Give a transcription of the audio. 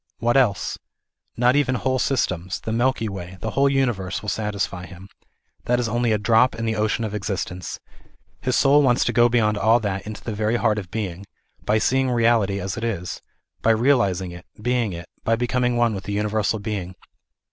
What else ? Not even whole systems, the Milky Way, the whole universe will satisfy him ; that is only a drop in the ocean of existence. His soul wants to go beyond all that into the very heart of being, by seeing reality as it is ; by realizing it, being it, by becoming one with the Universal Being.